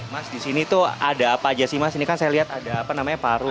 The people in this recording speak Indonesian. mas di sini tuh ada apa aja sih mas ini kan saya lihat ada apa namanya paru